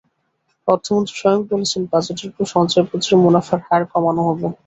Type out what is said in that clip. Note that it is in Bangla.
অর্থমন্ত্রী স্বয়ং বলেছেন, বাজেটের পর সঞ্চয়পত্রের মুনাফার হার কমানো হবে।